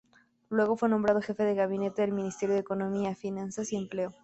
Luego, fue nombrado jefe de gabinete del Ministerio de Economía, Finanzas y empleo.